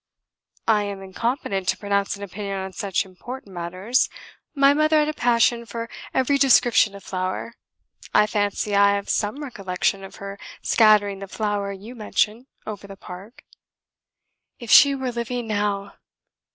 "I am incompetent to pronounce an opinion on such important matters. My mother had a passion for every description of flower. I fancy I have some recollection of her scattering the flower you mention over the park." "If she were living now!"